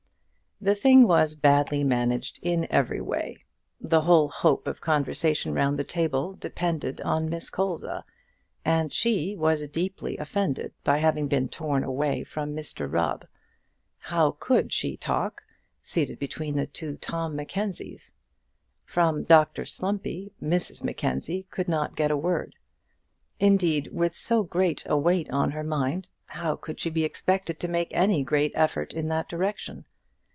The thing was badly managed in every way. The whole hope of conversation round the table depended on Miss Colza, and she was deeply offended by having been torn away from Mr Rubb. How could she talk seated between the two Tom Mackenzies? From Dr Slumpy Mrs Mackenzie could not get a word. Indeed, with so great a weight on her mind, how could she be expected to make any great effort in that direction?